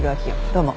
どうも。